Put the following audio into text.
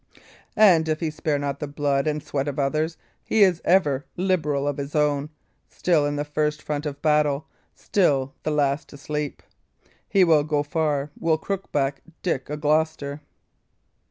And if he spare not the blood and sweat of others, he is ever liberal of his own, still in the first front of battle, still the last to sleep. He will go far, will Crookback Dick o' Gloucester!"